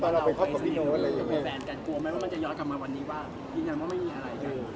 กลัวว่ามันจะย้อดกลัวมาพี่จ้านว่าเขาไม่มีอะไรนะ